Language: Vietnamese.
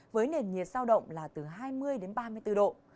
với nền nhiệt sao động là từ hai mươi đến ba mươi bốn độ